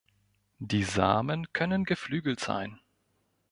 Die Samen können geflügelt sein.